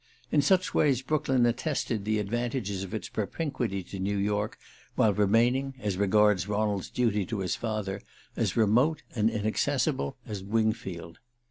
In such ways Brooklyn attested the advantages of its propinquity to New York, while remaining, as regards Ronald's duty to his father, as remote and inaccessible as Wingfield.